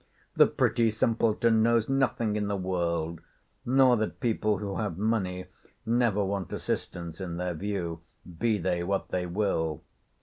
The pretty simpleton knows nothing in the world; nor that people who have money never want assistants in their views, be they what they will.